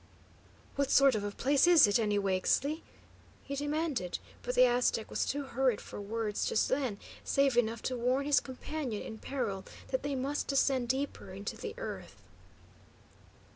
"What sort of a place is it, anyway, Ixtli?" he demanded, but the Aztec was too hurried for words, just then, save enough to warn his companion in peril that they must descend deeper into the earth.